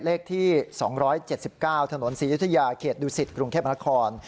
เลขที่๒๗๙ถนน๔ยุธยาเขตดูสิตกรุงเข้บมหาคล